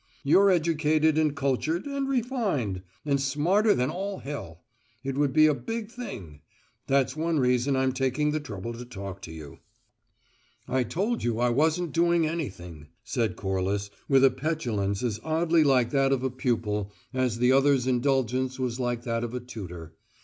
You're educated and cultured, and refined, and smarter than all hell. It would be a big thing. That's one reason I'm taking the trouble to talk to you." "I told you I wasn't doing anything," said Corliss with a petulance as oddly like that of a pupil as the other's indulgence was like that of a tutor.